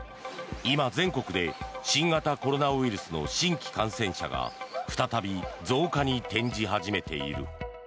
今、全国で新型コロナウイルスの新規感染者が再び増加に転じ始めている。